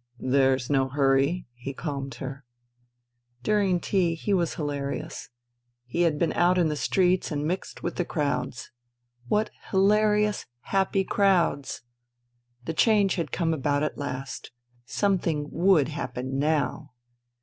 " There's no hurry," he calmed her. During tea he was hilarious. He had been out in the streets and mixed with the crowds. What hilarious, happy crowds ! The change had come about at last. Something would happen now.